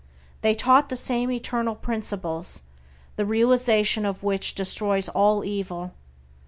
They taught the same eternal Principles, the realization of which destroys all evil.